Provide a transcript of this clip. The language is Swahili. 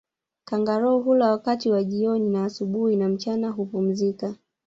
Kangaroo hula wakati wa jioni na asubuhi na mchana hupumzika